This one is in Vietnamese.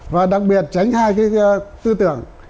và đặc biệt tránh hai cái tư tưởng